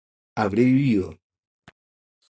habré vivido